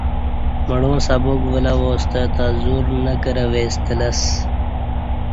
مڑاں سبق ولہ واستے تہ زور نہ کرہ ویستہ لسہ